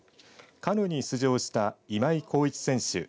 カヌーに出場した今井航一選手